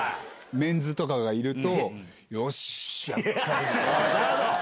メンズとかがいると。